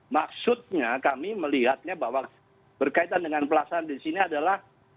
maksudnya kami melihatnya bahwa berkaitan dengan pelaksanaan di sini adalah